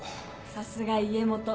さすが家元。